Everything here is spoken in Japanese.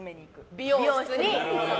美容室に。